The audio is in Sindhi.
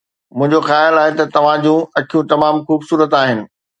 منهنجو خيال آهي ته توهان جون اکيون تمام خوبصورت آهن.